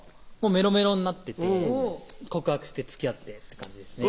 メロメロになってて告白してつきあってって感じですね